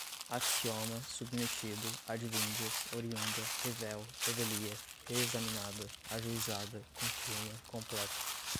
axioma, submetido, advindas, oriunda, revel, revelia, reexaminada, ajuizada, confirma, completa